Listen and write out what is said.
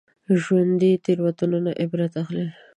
ژوندي له تېروتنو نه عبرت اخلي